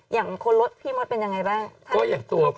อย่างคนรถพี่มดเป็นยังไงบ้าง